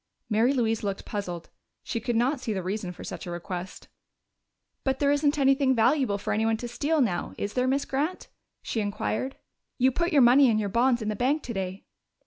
Mary Louise looked puzzled; she could not see the reason for such a request. "But there isn't anything valuable for anybody to steal now, is there, Miss Grant?" she inquired. "You put your money and your bonds in the bank today."